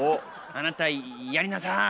「あなたやりなさい。